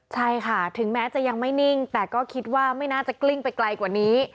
ใช่ค่ะถึงแม้จะยังไม่นิ่งแต่ก็คิดว่าไม่น่าจะกลิ้งไปไกลกว่านี้